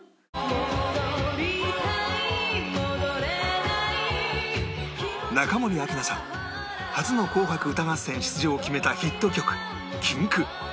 「戻りたい戻れない」中森明菜さん初の『紅白歌合戦』出場を決めたヒット曲『禁区』